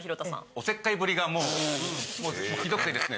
おせっかいぶりがもうひどくてですね。